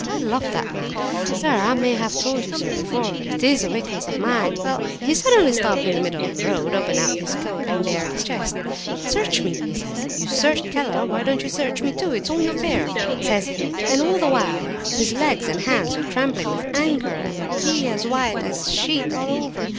I love that man, sir; I may have told you so before; it is a weakness of mine. Well—he suddenly stopped in the middle of the road, opened out his coat and bared his breast. 'Search me,' he says, 'you searched Keller; why don't you search me too? It is only fair!' says he. And all the while his legs and hands were trembling with anger, and he as white as a sheet all over!